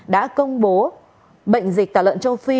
đã công bố bệnh dịch tả lợn châu phi